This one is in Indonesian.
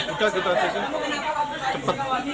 udah di transisi cepet